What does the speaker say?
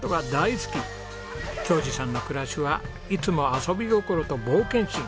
恭嗣さんの暮らしはいつも遊び心と冒険心。